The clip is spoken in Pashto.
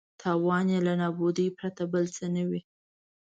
تاوان یې له نابودۍ پرته بل څه نه وي.